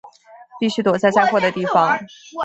必须躲在载货的地方